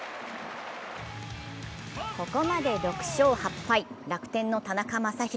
ここまで６勝８敗、楽天の田中将大。